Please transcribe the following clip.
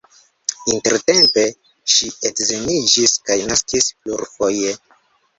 Intertempe ŝi edziniĝis kaj naskis plurfoje.